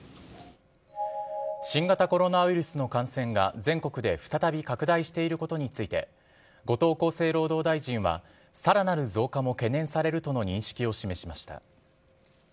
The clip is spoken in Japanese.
新型コロナウイルスの感染が全国で再び拡大していることについて、後藤厚生労働大臣は、さらなる増加も懸念されるとの認識を示しました。